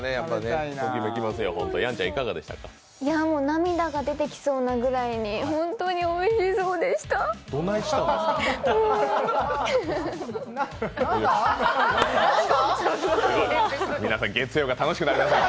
涙が出てきそうなぐらいに本当においしそうでした。